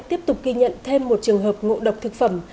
tiếp tục ghi nhận thêm một trường hợp ngộ độc thực phẩm